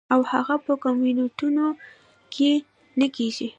او هغه پۀ کمنټونو کښې نۀ کيږي -